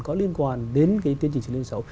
có liên quan đến tiến trình xử lý xấu